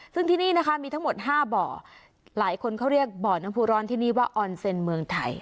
ซึ่งที่นี่นะคะมีทั้งหมด๕บ่อหลายคนเขาเรียกบ่อน้ำผู้ร้อนที่นี่ว่าออนเซ็นเมืองไทย